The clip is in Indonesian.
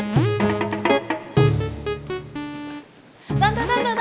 pak kami sampai majikan